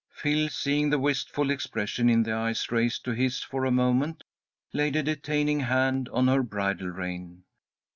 Phil, seeing the wistful expression in the eyes raised to his for a moment, laid a detaining hand on her bridle rein.